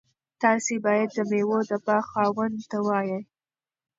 تاسي باید د میوو د باغ خاوند ته ووایئ.